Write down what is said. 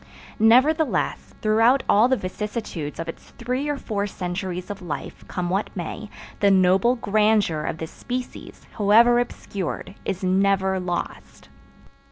Nevertheless, throughout all the vicissitudes of its three or four centuries of life, come what may, the noble grandeur of this species, however obscured, is never lost.